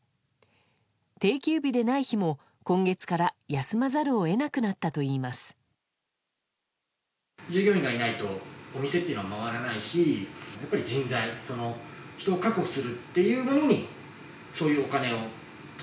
定休日でない日も、今月から休まざるを得なくなったと言います。